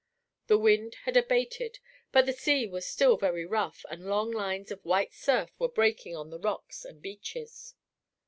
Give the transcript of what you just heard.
The wind had abated, but the sea was still very rough, and long lines of white surf were breaking on the rocks and beaches.